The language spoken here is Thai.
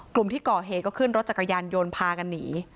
กลุ่มที่ก่อเหตุก็ขึ้นรถจักรยานยนต์พากันหนี